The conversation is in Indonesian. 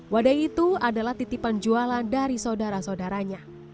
wadai itu adalah titipan jualan dari saudara saudaranya